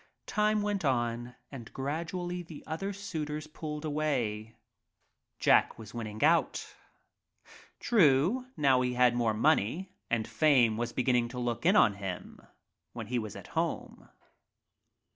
Time went on and gradually the other suitors pulled away— Jack was winning out. True now he had much money and fame was beginning to look in on him when he was at home.